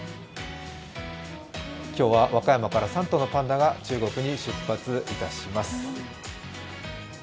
今日は和歌山から３頭のパンダが中国に出発いたします。